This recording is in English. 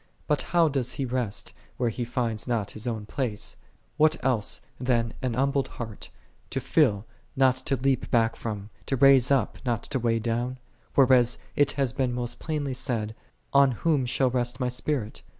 But how doth He rest, where He findeth not His own place ? what else than an humbled heart, to fill, not to leap back from; to raise up, not to weigh down ? whereas it hath been most plainly said, "On whom shall rest My Spirit